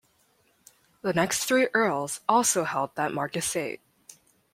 The next three Earls also held that Marquessate.